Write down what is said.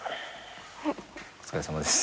お疲れさまです。